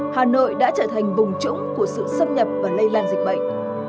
hà nội đã trở thành vùng trũng của sự xâm nhập và lây lan dịch bệnh